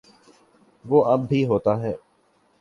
وہ اب بھی ہوتا ہے۔